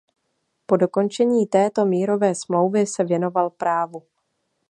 Po dokončení této mírové smlouvy se věnoval právu.